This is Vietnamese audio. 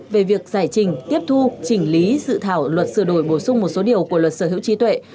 về việc giải trình tiếp thu chỉnh lý dự thảo luật sửa đổi bổ sung một số điều của luật sở hữu trí tuệ